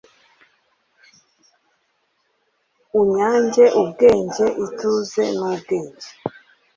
Unyange ubwenge, ituze, n'ubwenge!